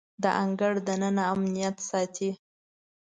د انګړ دننه امنیت ساتي.